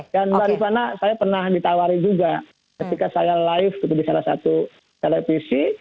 dan daripada saya pernah ditawari juga ketika saya live gitu di salah satu televisi